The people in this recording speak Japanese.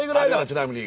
ちなみに。